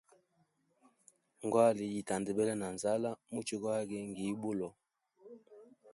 Ngwali yi tandabele na nzala, muchwe gwagwe ngi ubulo.